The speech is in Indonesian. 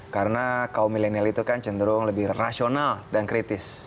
karena kaum milenial itu kan cenderung lebih rasional dan kritis